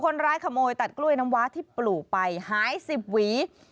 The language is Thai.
คนร้ายขโมยตัดกล้วยน้ำว้าที่ปลูกไปหาย๑๐หวี